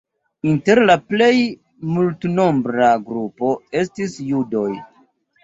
Inter la plej multnombra grupo estis judoj.